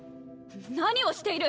何をしている！